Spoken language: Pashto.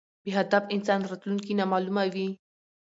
بی هدف انسان راتلونکي نامعلومه وي